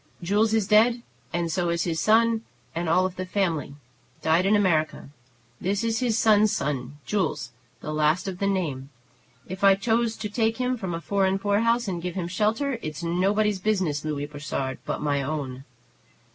"Jules is dead, and so is his son and all the family, died in America. This is his son's son, Jules, the last of the name. If I choose to take him from a foreign poorhouse and give him shelter, it's nobody's business, Louis Brossard, but my own."